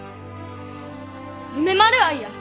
梅丸愛や。